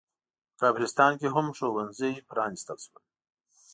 په کافرستان کې هم ښوونځي پرانستل شول.